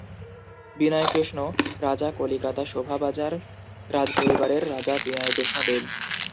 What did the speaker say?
বিনয়কৃষ্ণ, রাজা কলিকাতা শোভাবাজার রাজপরিবারের রাজা বিনয়কৃষ্ণ দেব।